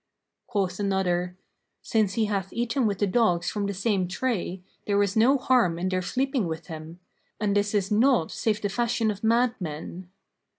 Quoth another, "Since he hath eaten with the dogs from the same tray, there is no harm in their sleeping with him; and this is naught save the fashion of madmen."